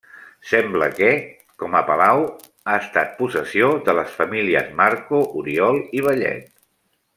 Sembla que, com a palau, ha estat possessió de les famílies Marco, Oriol i Bellet.